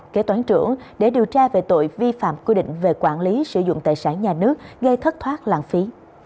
kế toán trưởng để điều tra về tội vi phạm quy định về quản lý sử dụng tài sản nhà nước gây thất thoát lãng phí